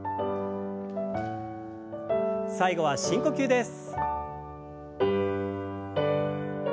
最後は深呼吸です。